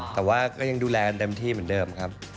แต่ว่าก็ยังดูแลเต็มที่เหมือนเดิมครับ